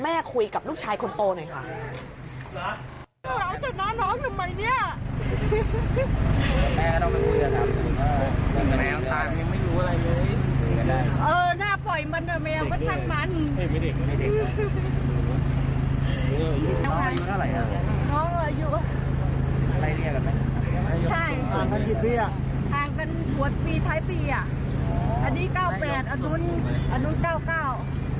คุยกับลูกชายคนโตหน่อยค่ะ